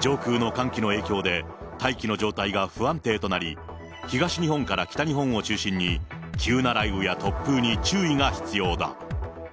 上空の寒気の影響で、大気の状態が不安定となり、東日本から北日本を中心に、急な雷雨や突風に注意が必要だ。